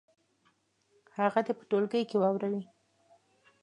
هغه دې په ټولګي کې واوروي.